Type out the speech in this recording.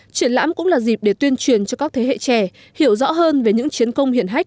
triển lãm cũng là dịp để tuyên truyền cho các thế hệ trẻ hiểu rõ hơn về những chiến công hiển hách